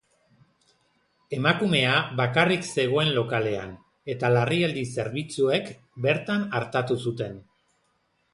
Emakumea bakarrik zegoen lokalean, eta larrialdi zerbitzuek bertan artatu zuten.